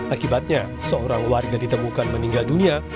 akibatnya seorang warga ditemukan meninggal dunia